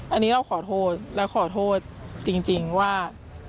อันนี้เราขอโทษและขอโทษจริงว่า